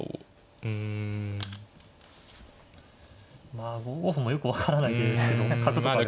まあ５五歩もよく分からない手ですけど角とかで。